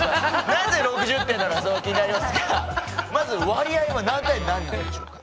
なぜ６０点なのか気になりますがまず割合は何対何なんでしょうか？